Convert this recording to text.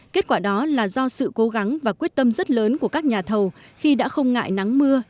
kết quả đó là do sự cố gắng và quyết tâm rất lớn của các nhà thầu khi đã không ngại nắng mưa